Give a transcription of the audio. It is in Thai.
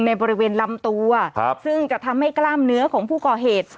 บริเวณลำตัวซึ่งจะทำให้กล้ามเนื้อของผู้ก่อเหตุ